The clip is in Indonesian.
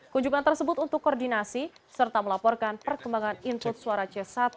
kunjungan tersebut untuk koordinasi serta melaporkan perkembangan input suara c satu